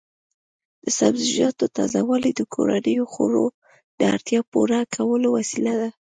د سبزیجاتو تازه والي د کورنیو خوړو د اړتیا پوره کولو وسیله ده.